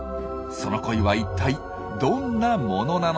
その恋はいったいどんなものなのか。